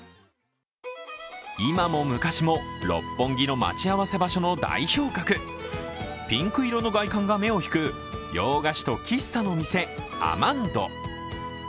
今も昔も六本木の待ち合わせ場所の代表格、ピンク色の外観が目を引く洋菓子と喫茶の店、アマンド。